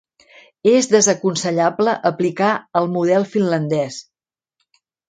És desaconsellable aplicar el model finlandès.